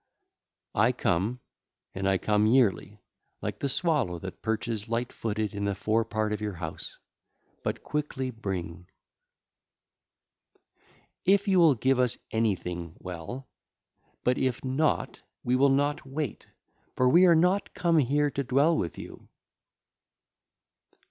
(ll. 11 13) I come, and I come yearly, like the swallow that perches light footed in the fore part of your house. But quickly bring.... XVI. (2 lines) (ll. 1 2) If you will give us anything (well). But if not, we will not wait, for we are not come here to dwell with you.